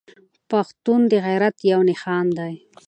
پښتون د غيرت يو نښان دی.